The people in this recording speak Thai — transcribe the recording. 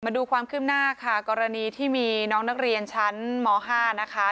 มาดูความคืบหน้าค่ะกรณีที่มีน้องนักเรียนชั้นม๕นะคะ